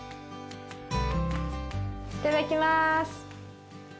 いただきます。